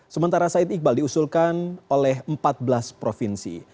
sementara said iqbal diusulkan oleh empat belas provinsi